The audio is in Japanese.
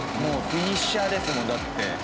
フィニッシャーですもんだって。